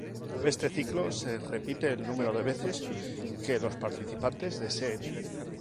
Este ciclo se repite el número de veces que los participantes deseen.